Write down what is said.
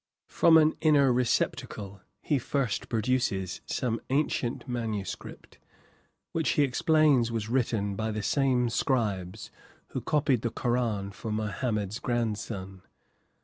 From an inner receptacle he first produces some ancient manuscript, which he explains was written by the same scribes who copied the Koran for Mohammed's grandson.